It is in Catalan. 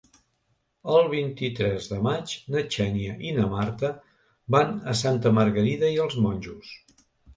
El vint-i-tres de maig na Xènia i na Marta van a Santa Margarida i els Monjos.